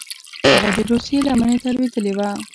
هغه د روسیې لمنې ته لوېدلي وه.